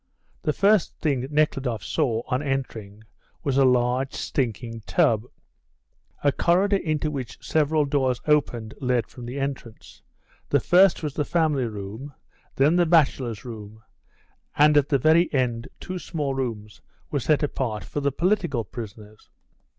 The first thing Nekhludoff saw, on entering, was a large, stinking tub. A corridor into which several doors opened led from the entrance. The first was the family room, then the bachelors' room, and at the very end two small rooms were set apart for the political prisoners.